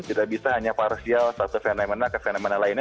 tidak bisa hanya parsial satu fenomena ke fenomena lainnya